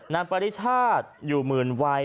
นางปฤชาติอยู่เป็นมือนวัย